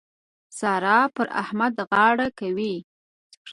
سارا پر احمد غاړه کوي.